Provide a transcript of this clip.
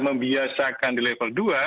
membiasakan di level dua